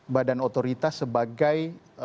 badan otoritas sebagai